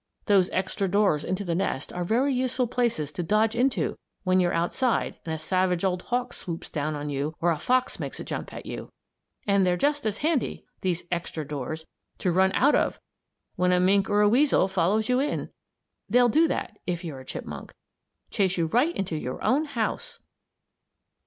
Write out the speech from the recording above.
Those extra doors into the nest are very useful places to dodge into when you're outside and a savage old hawk swoops down on you, or a fox makes a jump at you. And they're just as handy these extra doors to run out of when a mink or a weasel follows you in. They'll do that, if you're a chipmunk; chase you right into your own house!